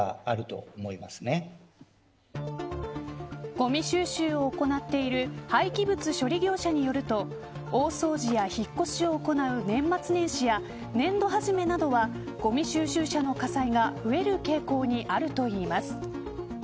ごみ収集を行っている廃棄物処理業者によると大掃除や引っ越しを行う年末年始や年度初めなどはごみ収集車の火災が増える傾向にあるといいます。